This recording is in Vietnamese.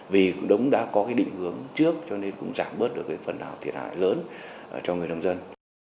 vì đống đã có định hưởng trước cho nên cũng giảm bớt được phần nào thiệt hại lớn cho người nông dân